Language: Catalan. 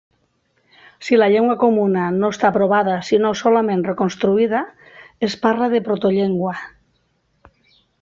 Si la llengua comuna no està provada sinó solament reconstruïda, es parla de protollengua.